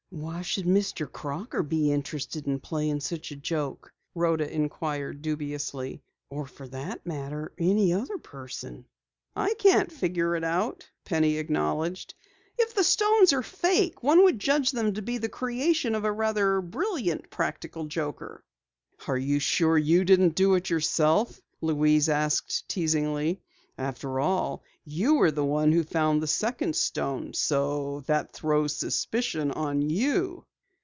"Why should Mr. Crocker be interested in playing such a joke?" Rhoda inquired dubiously. "Or for that matter, any other person?" "I can't figure it out," Penny acknowledged. "If the stones are fakes, one would judge them to be the creation of a rather brilliant practical joker." "Are you sure you didn't do it yourself?" Louise asked teasingly. "After all, you were the one who found the second stone, so that throws suspicion on you!"